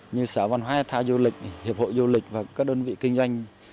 như sở văn hóa thao du lịch hiệp hội du lịch và các đơn vị kinh doanh